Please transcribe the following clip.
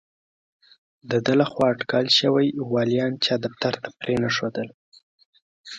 د ده له خوا ټاکل شوي والیان چا دفتر ته پرې نه ښودل.